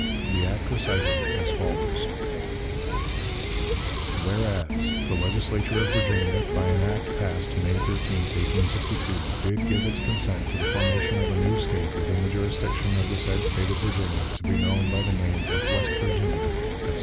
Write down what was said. The act recited as follows: "Whereas, The Legislature of Virginia, by an act passed May 13, 1862, did give its consent to the formation of a new State within the jurisdiction of the said State of Virginia, to be known by the name of West Virginia," etc.